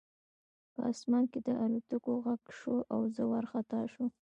په آسمان کې د الوتکو غږ شو او زه وارخطا شوم